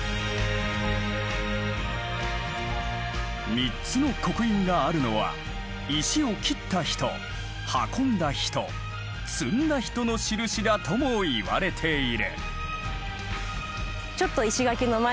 ３つの刻印があるのは石を切った人運んだ人積んだ人の印だともいわれている。